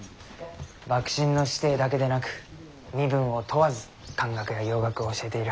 幕臣の子弟だけでなく身分を問わず漢学や洋学を教えている。